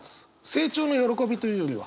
成長の喜びというよりは。